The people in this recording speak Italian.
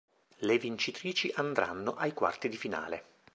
Le vincitrici andranno ai quarti di finale.